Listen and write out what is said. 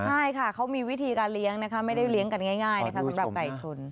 ใช่ค่ะเขามีวิธีการเลี้ยงนะคะไม่ได้เลี้ยงกันง่ายนะคะสำหรับไก่ชน